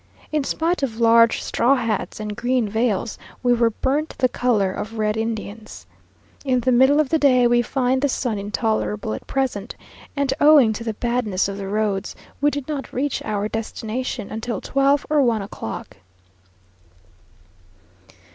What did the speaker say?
In spite of large straw hats and green veils, we were burnt the colour of red Indians. In the middle of the day we find the sun intolerable at present, and, owing to the badness of the roads, we did not reach our destination until twelve or one o'clock.